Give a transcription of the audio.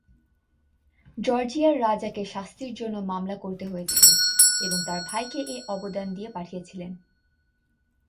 জর্জিয়ার রাজাকে শান্তির জন্য মামলা করতে হয়েছিল, এবং তার ভাইকে এই অবদান দিয়ে পাঠিয়েছিলেন।